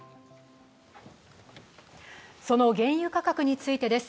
その原油価格についてです。